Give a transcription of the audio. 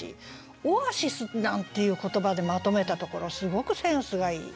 「オアシス」なんていう言葉でまとめたところすごくセンスがいい。